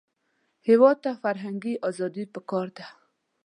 هېواد ته فرهنګي ازادي پکار ده